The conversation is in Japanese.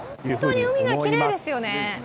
本当に海がきれいですよね。